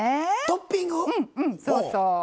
トッピング⁉うんうんそうそう。